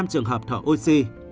năm trường hợp thở oxy